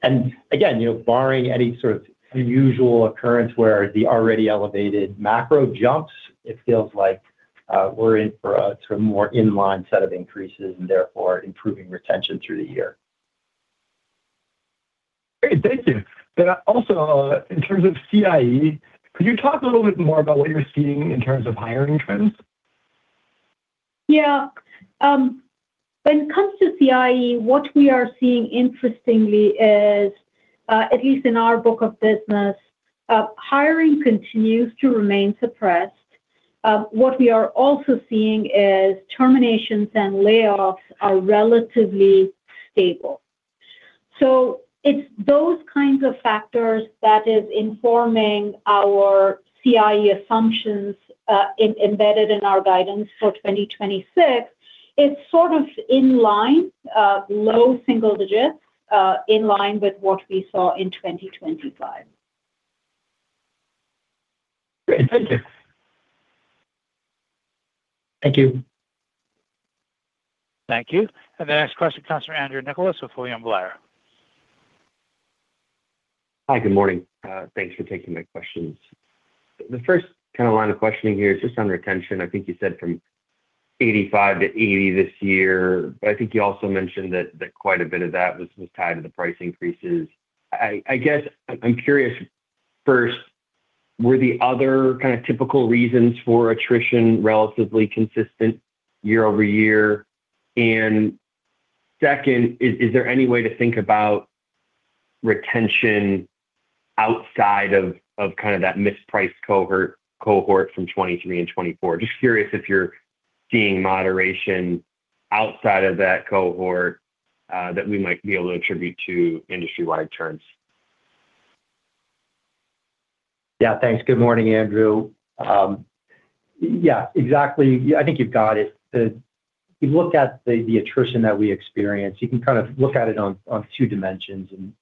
And again, you know, barring any sort of unusual occurrence where the already elevated macro jumps, it feels like we're in for a sort of more in line set of increases and therefore improving retention through the year. Great, thank you. But also, in terms of CIE, could you talk a little bit more about what you're seeing in terms of hiring trends? Yeah. When it comes to CIE, what we are seeing interestingly is at least in our book of business, hiring continues to remain suppressed. What we are also seeing is terminations and layoffs are relatively stable. So it's those kinds of factors that is informing our CIE assumptions, embedded in our guidance for 2026. It's sort of in line, low single-digits, in line with what we saw in 2025. Great. Thank you. Thank you. Thank you. The next question comes from Andrew Nicholas with William Blair. Hi, good morning. Thanks for taking my questions. The first kind of line of questioning here is just on retention. I think you said from 85-80 this year, but I think you also mentioned that quite a bit of that was tied to the price increases. I guess I'm curious, first, were the other kind of typical reasons for attrition relatively consistent year over year? And second, is there any way to think about retention outside of kind of that mispriced cohort from 2023 and 2024? Just curious if you're seeing moderation outside of that cohort that we might be able to attribute to industry-wide terms. Yeah, thanks. Good morning, Andrew. Yeah, exactly. I think you've got it. If you look at the attrition that we experience, you can kind of look at it on two dimensions, and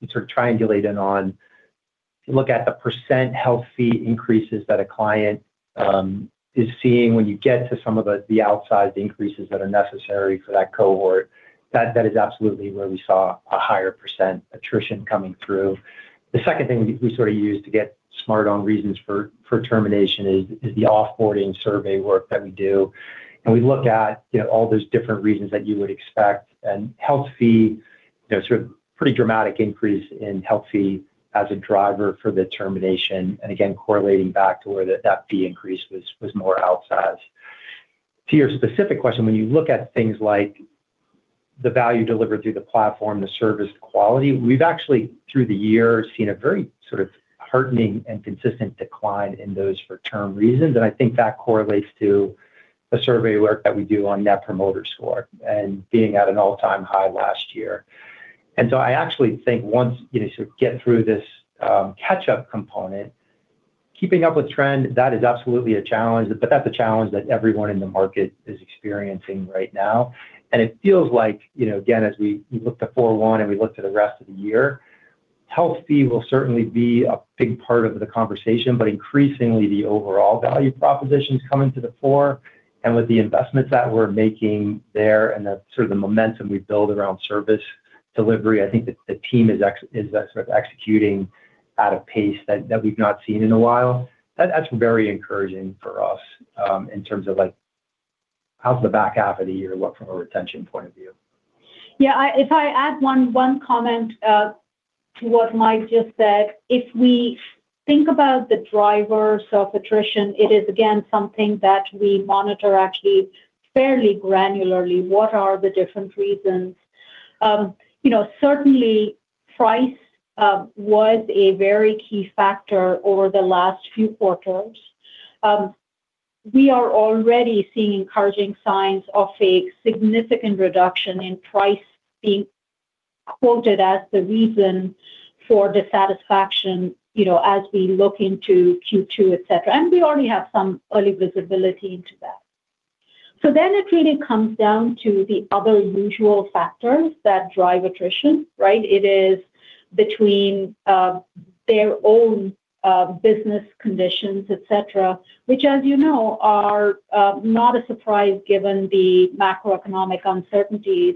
you sort of triangulate in on. Look at the percent health fee increases that a client is seeing when you get to some of the outsized increases that are necessary for that cohort. That is absolutely where we saw a higher percent attrition coming through. The second thing we sort of use to get smart on reasons for termination is the off-boarding survey work that we do. And we look at, you know, all those different reasons that you would expect, and health fee, you know, sort of pretty dramatic increase in health fee as a driver for the termination, and again, correlating back to where that fee increase was more outsized. To your specific question, when you look at things like the value delivered through the platform, the service quality, we've actually, through the years, seen a very sort of heartening and consistent decline in those for term reasons. And I think that correlates to the survey work that we do on net promoter score, and being at an all-time high last year. And so I actually think once, you know, sort of get through this, catch-up component, keeping up with trend, that is absolutely a challenge, but that's a challenge that everyone in the market is experiencing right now. And it feels like, you know, again, as we look to Q1, and we look to the rest of the year, health fee will certainly be a big part of the conversation, but increasingly the overall value proposition is coming to the fore. And with the investments that we're making there and the sort of the momentum we build around service delivery, I think the team is sort of executing at a pace that we've not seen in a while. That's very encouraging for us, in terms of, like, how's the back half of the year look from a retention point of view? Yeah, if I add one comment to what Mike just said. If we think about the drivers of attrition, it is, again, something that we monitor actually fairly granularly. What are the different reasons? You know, certainly price was a very key factor over the last few quarters. We are already seeing encouraging signs of a significant reduction in price being quoted as the reason for dissatisfaction, you know, as we look into Q2, et cetera. And we already have some early visibility into that. So then it really comes down to the other usual factors that drive attrition, right? It is between their own business conditions, et cetera, which, as you know, are not a surprise, given the macroeconomic uncertainties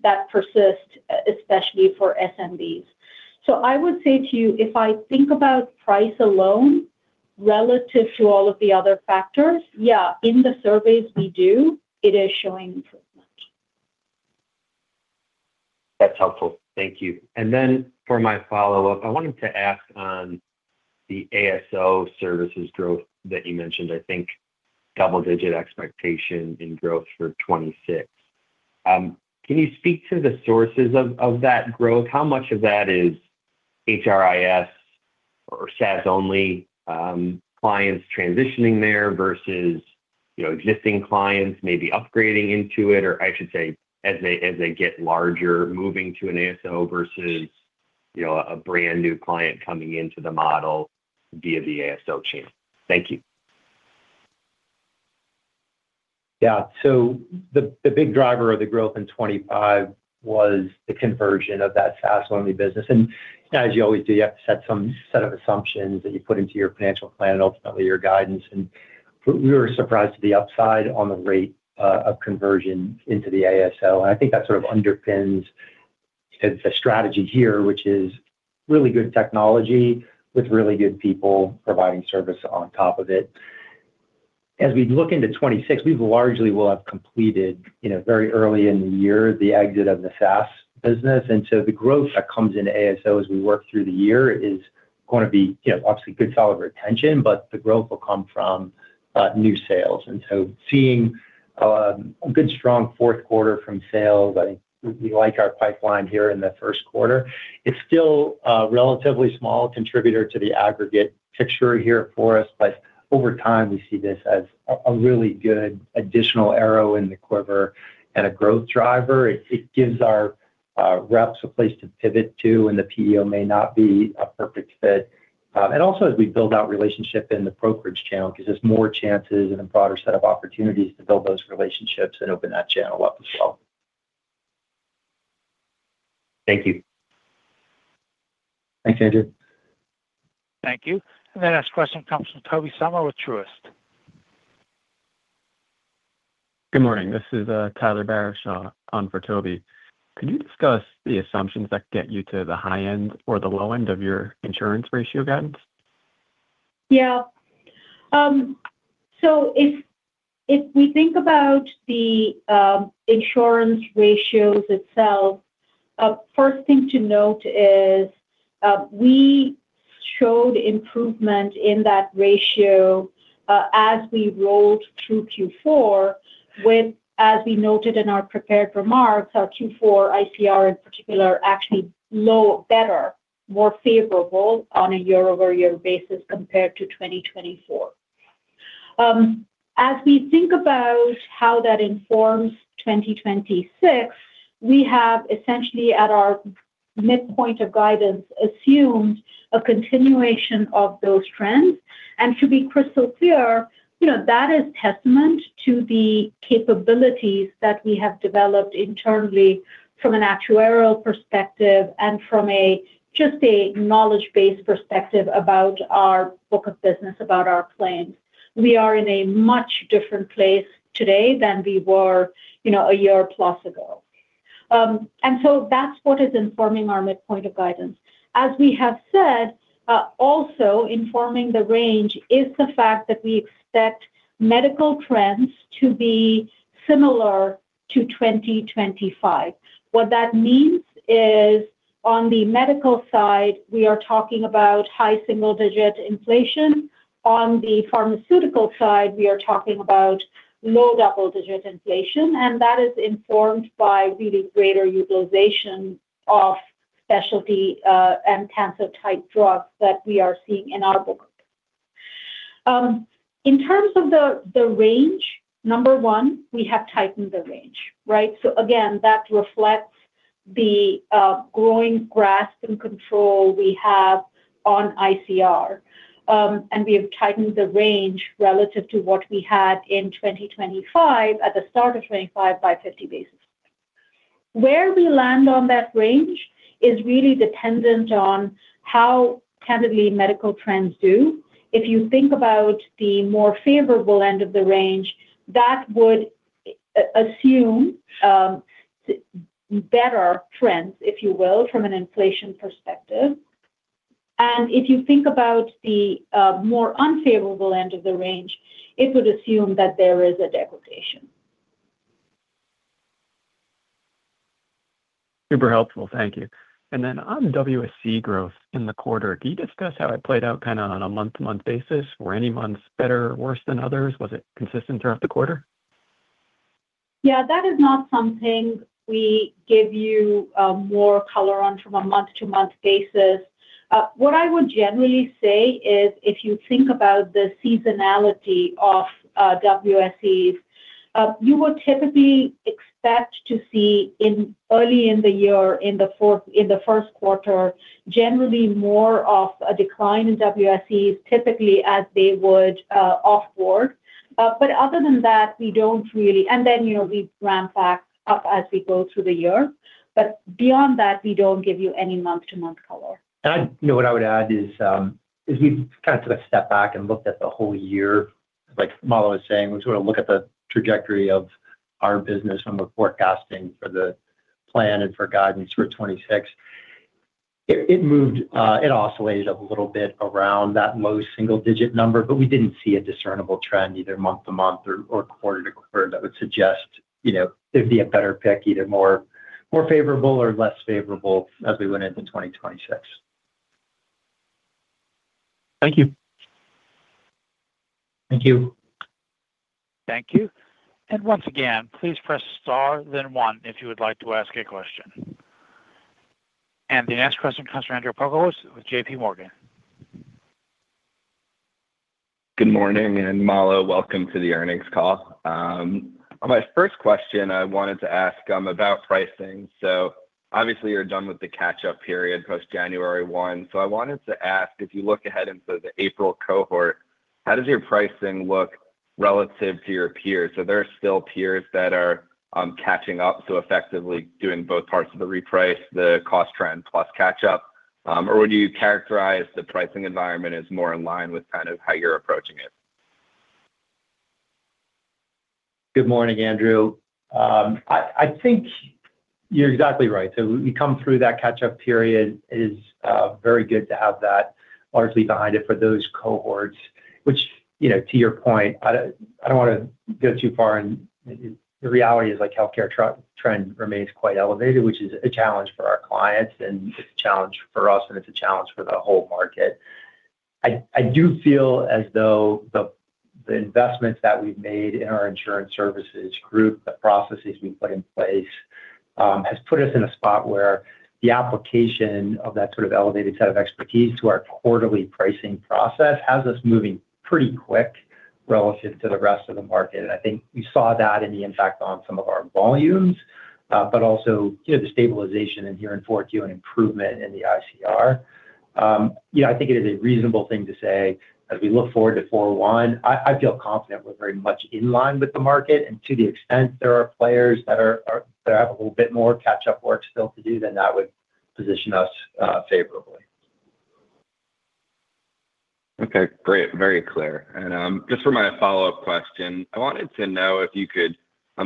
that persist, especially for SMBs. I would say to you, if I think about price alone, relative to all of the other factors, yeah, in the surveys we do, it is showing improvement. That's helpful. Thank you. And then for my follow-up, I wanted to ask on the ASO services growth that you mentioned, I think double-digit expectation in growth for 2026. Can you speak to the sources of that growth? How much of that is HRIS or SaaS-only clients transitioning there versus, you know, existing clients maybe upgrading into it? Or I should say, as they get larger, moving to an ASO versus, you know, a brand-new client coming into the model via the ASO chain. Thank you. Yeah. So the big driver of the growth in 2025 was the conversion of that SaaS-only business. And as you always do, you have to set some set of assumptions that you put into your financial plan and ultimately your guidance. And we were surprised to the upside on the rate of conversion into the ASO, and I think that sort of underpins the strategy here, which is really good technology with really good people providing service on top of it. As we look into 2026, we largely will have completed, you know, very early in the year, the exit of the SaaS business. And so the growth that comes into ASO as we work through the year is going to be, you know, obviously good, solid retention, but the growth will come from new sales. And so seeing a good, strong fourth quarter from sales, I think we like our pipeline here in the first quarter. It's still a relatively small contributor to the aggregate picture here for us, but over time, we see this as a really good additional arrow in the quiver and a growth driver. It gives our reps a place to pivot to, and the PEO may not be a perfect fit. And also, as we build out relationship in the brokerage channel, because there's more chances and a broader set of opportunities to build those relationships and open that channel up as well. Thank you. Thanks, Andrew. Thank you. The next question comes from Tobey Sommer with Truist. Good morning. This is Tyler Barishaw on for Toby. Could you discuss the assumptions that get you to the high end or the low end of your insurance ratio guidance? Yeah. So if we think about the insurance ratios itself, first thing to note is, we showed improvement in that ratio, as we rolled through Q4, with, as we noted in our prepared remarks, our Q4 ICR in particular, actually low, better, more favorable on a year-over-year basis compared to 2024. As we think about how that informs 2026, we have essentially, at our midpoint of guidance, assumed a continuation of those trends. And to be crystal clear, you know, that is testament to the capabilities that we have developed internally from an actuarial perspective and from a just a knowledge base perspective about our book of business, about our plans. We are in a much different place today than we were, you know, a year plus ago. And so that's what is informing our midpoint of guidance. As we have said, also informing the range is the fact that we expect medical trends to be similar to 2025. What that means is on the medical side, we are talking about high single-digit inflation. On the pharmaceutical side, we are talking about low double-digit inflation, and that is informed by really greater utilization of specialty and cancer type drugs that we are seeing in our book. In terms of the range, number one, we have tightened the range, right? So again, that reflects the growing grasp and control we have on ICR. And we have tightened the range relative to what we had in 2025, at the start of 2025, by 50 basis points. Where we land on that range is really dependent on how tentatively medical trends do. If you think about the more favorable end of the range, that would assume better trends, if you will, from an inflation perspective. If you think about the more unfavorable end of the range, it would assume that there is a depreciation. Super helpful. Thank you. And then on WSE growth in the quarter, can you discuss how it played out kind of on a month-to-month basis? Were any months better or worse than others? Was it consistent throughout the quarter? Yeah, that is not something we give you more color on from a month-to-month basis. What I would generally say is, if you think about the seasonality of WSEs, you would typically expect to see in early in the year, in the fourth-- in the first quarter, generally more of a decline in WSEs, typically as they would offboard. But other than that, we don't really-- And then, you know, we ramp back up as we go through the year. But beyond that, we don't give you any month-to-month color. I, you know, what I would add is, as we've kind of took a step back and looked at the whole year, like Mala was saying, we sort of look at the trajectory of our business when we're forecasting for the plan and for guidance for 2026. It moved, it oscillated a little bit around that low single-digit number, but we didn't see a discernible trend either month to month or quarter to quarter that would suggest, you know, there'd be a better pick, either more favorable or less favorable as we went into 2026. Thank you. Thank you. Thank you. Once again, please press Star, then One, if you would like to ask a question. The next question comes from Andrew Polkowitz with J.P. Morgan. Good morning, and Mala, welcome to the earnings call. My first question I wanted to ask about pricing. So obviously you're done with the catch-up period post January 1. So I wanted to ask, if you look ahead into the April cohort, how does your pricing look relative to your peers? Are there still peers that are catching up, so effectively doing both parts of the reprice, the cost trend plus catch-up? Or would you characterize the pricing environment as more in line with kind of how you're approaching it? Good morning, Andrew. I think you're exactly right. So we come through that catch-up period. It is very good to have that largely behind it for those cohorts, which, you know, to your point, I don't wanna go too far, and the reality is, like, healthcare trend remains quite elevated, which is a challenge for our clients, and it's a challenge for us, and it's a challenge for the whole market. I do feel as though the investments that we've made in our Insurance Services group, the processes we've put in place, has put us in a spot where the application of that sort of elevated set of expertise to our quarterly pricing process has us moving pretty quick relative to the rest of the market. And I think we saw that in the impact on some of our volumes, but also, you know, the stabilization here in 4Q and improvement in the ICR. You know, I think it is a reasonable thing to say as we look forward to Q1. I feel confident we're very much in line with the market, and to the extent there are players that that have a little bit more catch-up work still to do, then that would position us, favorably. Okay, great. Very clear. And, just for my follow-up question, I wanted to know if you could,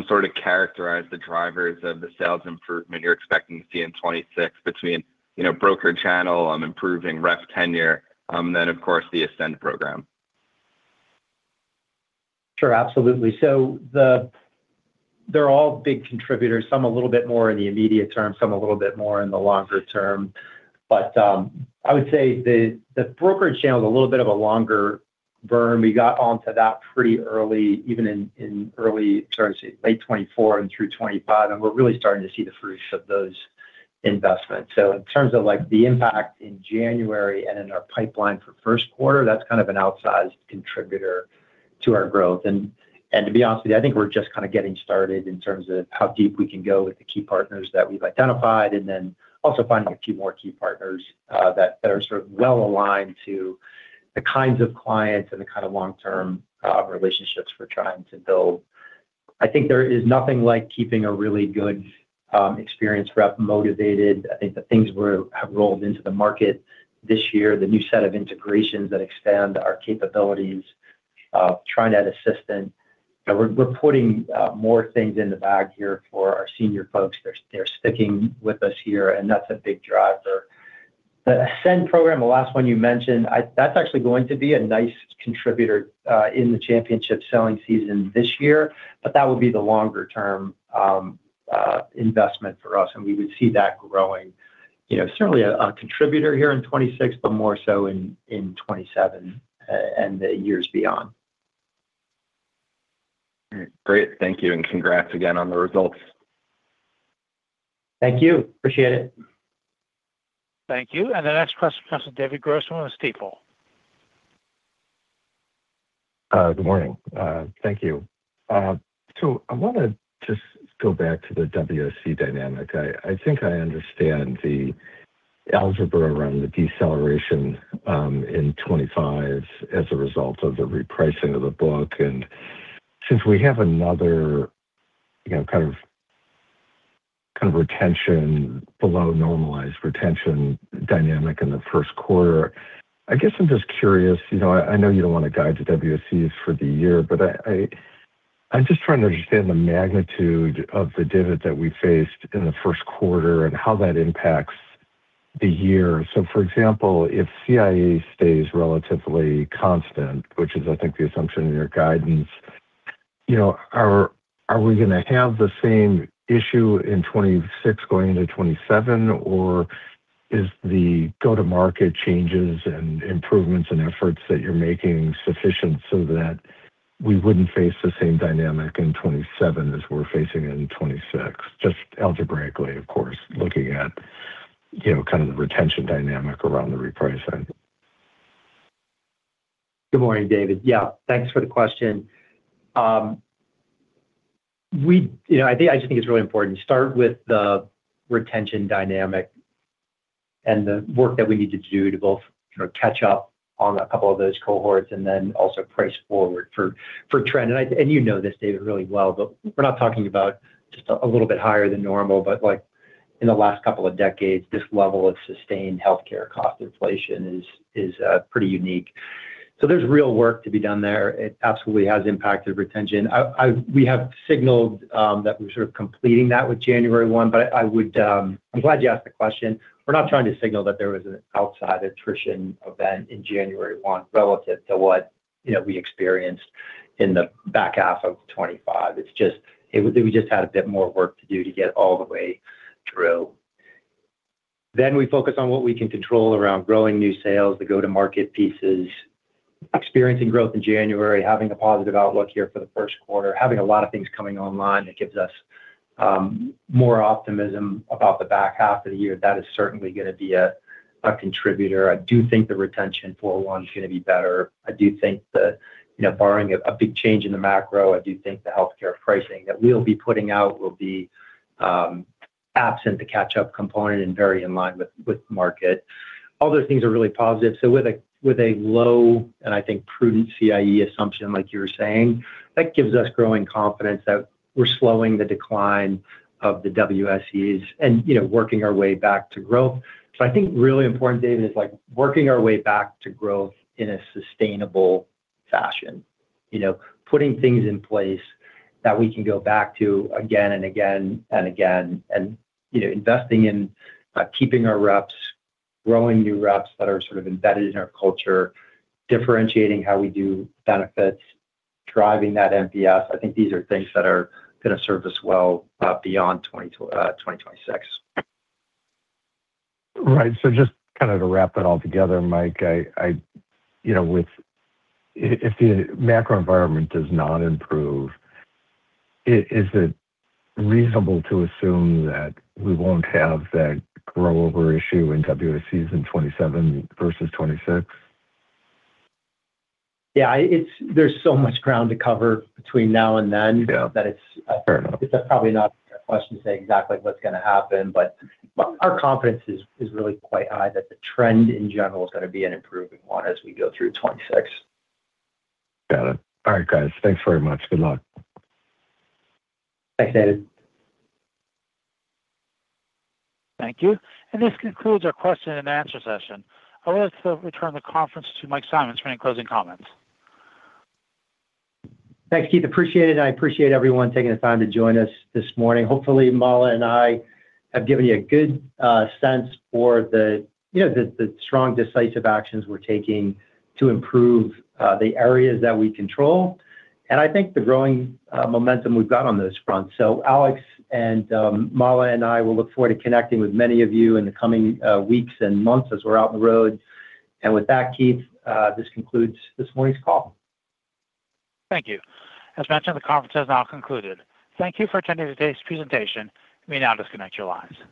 sort of characterize the drivers of the sales improvement you're expecting to see in 2026 between, you know, broker channel, improving rep tenure, then, of course, the Ascend program. Sure. Absolutely. So they're all big contributors, some a little bit more in the immediate term, some a little bit more in the longer-term. But, I would say the brokerage channel is a little bit of a longer burn. We got onto that pretty early, even in late 2024 and through 2025, and we're really starting to see the fruits of those investments. So in terms of, like, the impact in January and in our pipeline for first quarter, that's kind of an outsized contributor to our growth. And to be honest with you, I think we're just kind of getting started in terms of how deep we can go with the key partners that we've identified, and then also finding a few more key partners that are sort of well aligned to the kinds of clients and the kind of long-term relationships we're trying to build. I think there is nothing like keeping a really good experienced rep motivated. I think the things we have rolled into the market this year, the new set of integrations that expand our capabilities, trying to add assistant. We're putting more things in the bag here for our senior folks. They're sticking with us here, and that's a big driver. The Ascend program, the last one you mentioned, that's actually going to be a nice contributor in the championship selling season this year, but that would be the longer-term investment for us, and we would see that growing, you know, certainly a contributor here in 2026, but more so in 2027, and the years beyond. Great. Thank you, and congrats again on the results. Thank you. Appreciate it. Thank you. The next question comes from David Grossman with Stifel.... Good morning. Thank you. So I want to just go back to the WSE dynamic. I think I understand the algebra around the deceleration in 2025 as a result of the repricing of the book, and since we have another, you know, kind of, kind of retention below normalized retention dynamic in the first quarter, I guess I'm just curious. You know, I know you don't want to guide the WSEs for the year, but I'm just trying to understand the magnitude of the divot that we faced in the first quarter and how that impacts the year. So for example, if CIE stays relatively constant, which is, I think, the assumption in your guidance, you know, are we going to have the same issue in 2026 going into 2027, or is the go-to-market changes and improvements and efforts that you're making sufficient so that we wouldn't face the same dynamic in 2027 as we're facing in 2026? Just algebraically, of course, looking at, you know, kind of the retention dynamic around the repricing. Good morning, David. Yeah, thanks for the question. You know, I think, I just think it's really important to start with the retention dynamic and the work that we need to do to both kind of catch up on a couple of those cohorts and then also price forward for trend. And you know this, David, really well, but we're not talking about just a little bit higher than normal, but, like, in the last couple of decades, this level of sustained healthcare cost inflation is pretty unique. So there's real work to be done there. It absolutely has impacted retention. We have signaled that we're sort of completing that with January 1, but I'm glad you asked the question. We're not trying to signal that there was an outside attrition event in January 1 relative to what, you know, we experienced in the back half of 2025. It's just. We just had a bit more work to do to get all the way through. Then we focus on what we can control around growing new sales, the go-to-market pieces, experiencing growth in January, having a positive outlook here for the first quarter, having a lot of things coming online, it gives us more optimism about the back half of the year. That is certainly going to be a contributor. I do think the retention for one is going to be better. I do think that, you know, barring a big change in the macro, I do think the healthcare pricing that we'll be putting out will be absent the catch-up component and very in line with market. All those things are really positive. So with a low, and I think prudent CIE assumption, like you were saying, that gives us growing confidence that we're slowing the decline of the WSEs and, you know, working our way back to growth. So I think really important, David, is, like, working our way back to growth in a sustainable fashion. You know, putting things in place that we can go back to again and again and again, and, you know, investing in keeping our reps, growing new reps that are sort of embedded in our culture, differentiating how we do benefits, driving that NPS. I think these are things that are going to serve us well, beyond 2026. Right. So just kind of to wrap it all together, Mike, I, you know, if the macro environment does not improve, is it reasonable to assume that we won't have that grow over issue in WSEs in 2027 versus 2026? Yeah, there's so much ground to cover between now and then. Yeah. - that it's, Fair enough. It's probably not a question to say exactly what's going to happen, but our confidence is really quite high that the trend, in general, is going to be an improving one as we go through 2026. Got it. All right, guys. Thanks very much. Good luck. Thanks, David. Thank you, and this concludes our question and answer session. I would like to return the conference to Mike Simonds for any closing comments. Thanks, Keith. Appreciate it, and I appreciate everyone taking the time to join us this morning. Hopefully, Mala and I have given you a good sense for the, you know, the strong, decisive actions we're taking to improve the areas that we control, and I think the growing momentum we've got on those fronts. So Alex and Mala and I will look forward to connecting with many of you in the coming weeks and months as we're out on the road. And with that, Keith, this concludes this morning's call. Thank you. As mentioned, the conference has now concluded. Thank you for attending today's presentation. You may now disconnect your lines.